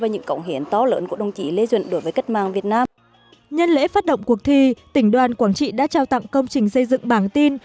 nhân lễ phát động cuộc thi tỉnh đoàn quảng trị đã trao tặng công trình xây dựng bảng tin